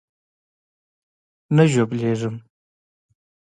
نه ژوبلېږم.